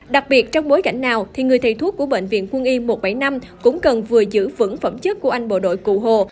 đặc biệt trong bối cảnh nào thì người thầy thuốc của bệnh viện quân y một trăm bảy mươi năm cũng cần vừa giữ vững phẩm chất của anh bộ đội cụ hồ